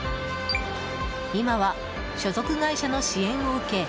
今は所属会社の支援を受け